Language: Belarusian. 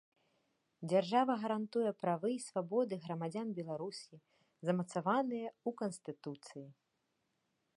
Дзяржава гарантуе правы і свабоды грамадзян Беларусі, замацаваныя ў Канстытуцыі.